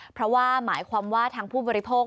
เพราะว่าหมายความว่าทางผู้บริโภค